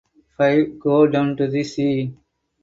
Five Go Down to the Sea?